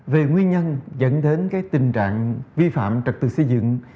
về nguyên nhân dẫn đến tình trạng vi phạm trật tự xây dựng